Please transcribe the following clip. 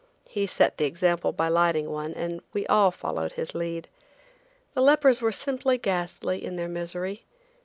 He set the example by lighting one, and we all followed his lead. The lepers were simply ghastly in their misery.